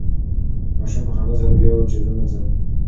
ماشوم په خندا سره بیا وویل چې زه نه ځم.